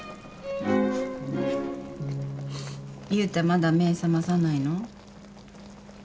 悠太まだ目覚まさないの？